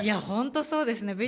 本当そうですね。